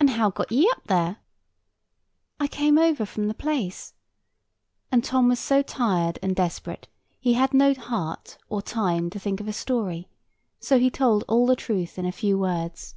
"And how got ye up there?" "I came over from the Place;" and Tom was so tired and desperate he had no heart or time to think of a story, so he told all the truth in a few words.